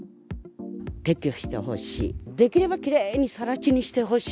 撤去してほしい。